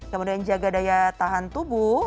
kemudian jaga daya tahan tubuh